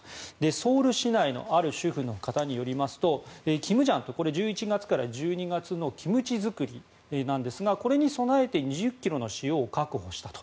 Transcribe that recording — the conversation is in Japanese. ソウル市内のある主婦の方によりますとキムジャンという１１月から１２月のキムチ作りなんですがこれに備えて２０ｋｇの塩を確保したと。